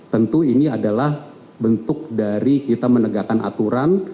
tentu ini adalah bentuk dari kita menegakkan aturan